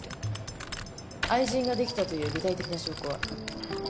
愛人ができたという具体的な証拠は？